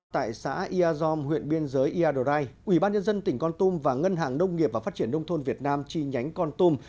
tại xã iazom huyện biên giới iadrai ủy ban nhân dân tỉnh con tum và ngân hàng nông nghiệp và phát triển nông thôn việt nam chi nhánh con tum